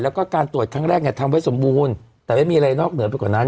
แล้วก็การตรวจครั้งแรกเนี่ยทำไว้สมบูรณ์แต่ไม่มีอะไรนอกเหนือไปกว่านั้น